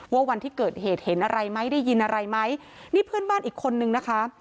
วันที่เกิดเหตุเห็นอะไรไหมได้ยินอะไรไหมนี่เพื่อนบ้านอีกคนนึงนะคะ